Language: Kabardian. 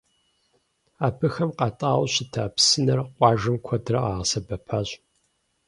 Абыхэм къатӏауэ щыта псынэр къуажэм куэдрэ къагъэсэбэпащ.